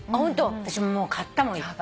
私も買ったもんいっぱい。